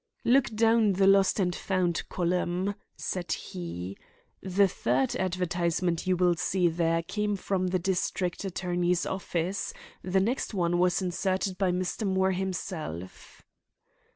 "Look down the lost and found column," said he. "The third advertisement you will see there came from the district attorney's office; the next one was inserted by Mr. Moore himself."